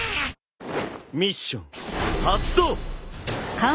ミッション発動！